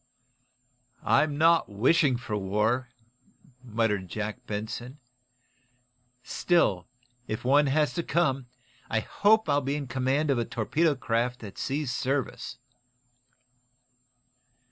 "I'm not wishing for war," muttered Jack Benson. "Still, if one has to come, I hope I'll be in command of a torpedo craft that sees service."